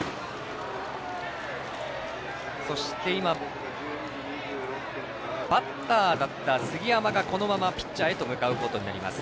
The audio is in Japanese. そして今、バッターだった杉山がこのままピッチャーへと向かうことになります。